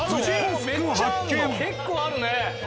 結構あるね。